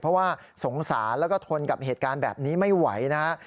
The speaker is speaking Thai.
เพราะว่าสงสารแล้วก็ทนกับเหตุการณ์แบบนี้ไม่ไหวนะฮะ